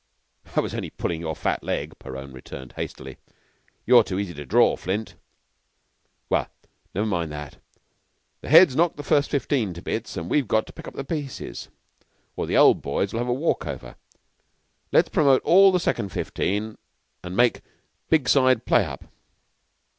"I was only pullin' your fat leg," Perowne returned, hastily. "You're so easy to draw, Flint." "Well, never mind that. The Head's knocked the First Fifteen to bits, and we've got to pick up the pieces, or the Old Boys will have a walk over. Let's promote all the Second Fifteen and make Big Side play up.